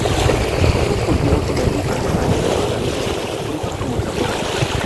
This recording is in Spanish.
Otros cultivos son la yuca, algunas hortalizas, frutos como el zapote.